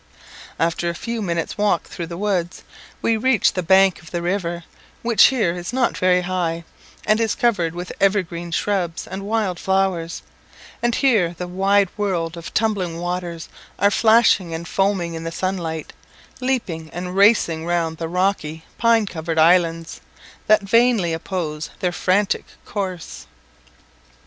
After a few minutes' walk through the wood, we reached the bank of the river, which here is not very high, and is covered with evergreen shrubs and wild flowers; and here the wide world of tumbling waters are flashing and foaming in the sunlight leaping and racing round the rocky, pine covered islands, that vainly oppose their frantic course.